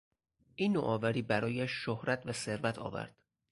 این نوآوری برایش شهرت و ثروت آورد.